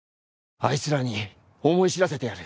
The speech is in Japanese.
あいつらに思い知らせてやる。